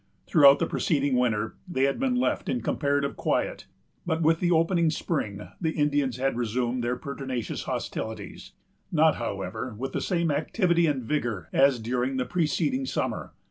Throughout the preceding winter, they had been left in comparative quiet; but with the opening spring the Indians had resumed their pertinacious hostilities; not, however, with the same activity and vigor as during the preceding summer.